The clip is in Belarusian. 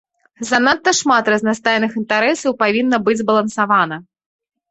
Занадта шмат разнастайных інтарэсаў павінна быць збалансавана.